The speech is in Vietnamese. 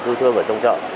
cứu thương ở trong chợ